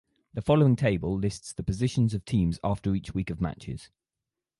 The following table lists the positions of teams after each week of matches.